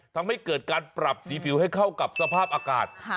ทำให้เกิดการปรับสีผิวให้เข้ากับสภาพอากาศ